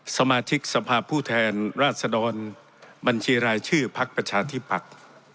สมาชิกสภาพผู้แทนราชดรบัญชีรายชื่อพักประชาธิปัตย์